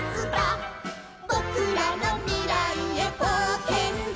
「ぼくらのみらいへぼうけんだ」